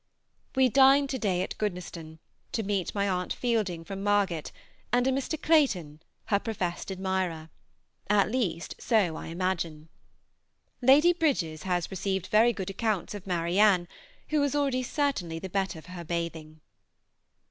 We dine to day at Goodnestone, to meet my aunt Fielding from Margate and a Mr. Clayton, her professed admirer at least, so I imagine. Lady Bridges has received very good accounts of Marianne, who is already certainly the better for her bathing.